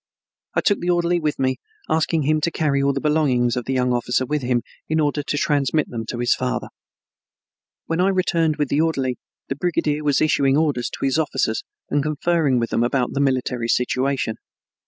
I took the orderly with me, asking him to carry all the belongings of the young officer with him in order to transmit them to his father. When I returned with the orderly, the brigadier was issuing orders to his officers and conferring with them about the military situation.